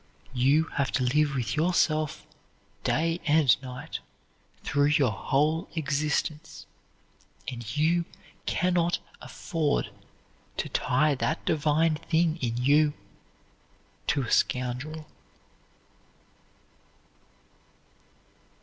_You have to live with yourself day and night through your whole existence, and you can not afford to tie that divine thing in you to a scoundrel_.